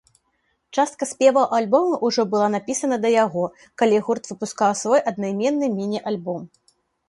Частка спеваў альбома ўжо была напісана да яго, калі гурт выпускаў свой аднаймены міні-альбом.